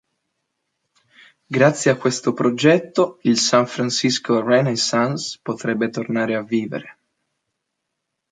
Grazie a questo progetto il "San Francisco Renaissance" potrebbe tornare a vivere.